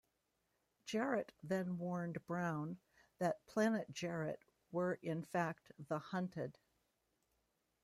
Jarrett then warned Brown that Planet Jarrett were in fact "the hunted".